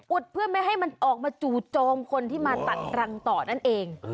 เพื่อไม่ให้มันออกมาจู่โจมคนที่มาตัดรังต่อนั่นเอง